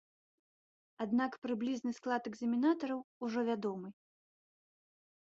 Аднак прыблізны склад экзаменатараў ужо вядомы.